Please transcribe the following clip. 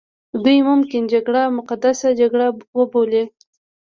دوی ممکن جګړه مقدسه جګړه وبولي.